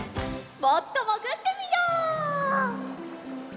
もっともぐってみよう。